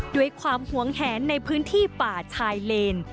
ด้วยความหวงแหนในพื้นที่ป่าชายเลน